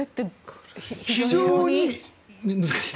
非常に難しい。